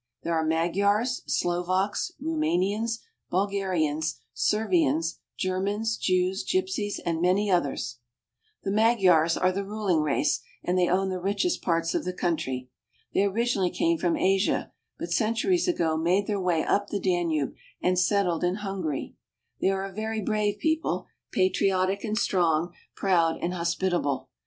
There are Magyars, Slovaks, Roumanians, Bulgarians, Servians, Germans, Jews, gypsies, and many others. The Magyars are the ruling race, and they own the richest parts of the country. They originally came from Asia, but centuries ago made their way up the Danube, and settled in Hungary. They are a very brave people, patriotic and strong, proud and hospitable.